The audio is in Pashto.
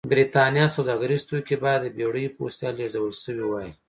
برېټانیا سوداګریز توکي باید د بېړیو په وسیله لېږدول شوي وای.